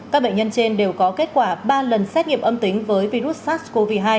các bệnh nhân trên đều có kết quả ba lần xét nghiệm âm tính với virus sars cov hai